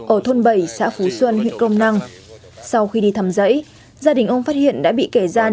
ở thôn bảy xã phú xuân huyện kronang sau khi đi thăm dãy gia đình ông phát hiện đã bị kẻ gian